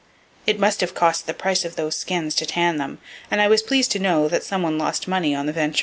It must have cost the price of those skins to tan them; and I was pleased to know that some one lost money on the venture.